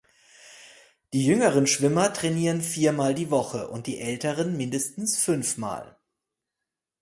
Die jüngeren Schwimmer trainieren viermal die Woche und die Älteren mindestens fünfmal.